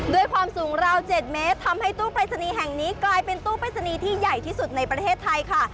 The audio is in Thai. ด้วยความสูงราว๗เมตรทำให้ตู้ปรายศนีย์แห่งนี้กลายเป็นตู้ปริศนีย์ที่ใหญ่ที่สุดในประเทศไทยค่ะ